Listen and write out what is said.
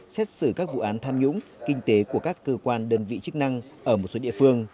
xét xử các vụ án tham nhũng kinh tế của các cơ quan đơn vị chức năng ở một số địa phương